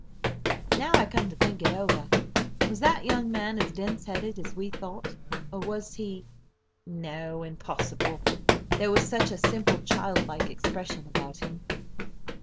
Now I come to think it over, was that young man as dense headed as we thought? or was he—no, impossible! there was such a simple, child like expression about him!